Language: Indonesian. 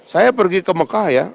saya pergi ke mekah ya